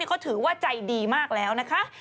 เขาถือว่าใจดีมากแล้วนะคะ